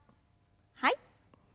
はい。